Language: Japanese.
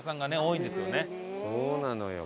そうなのよ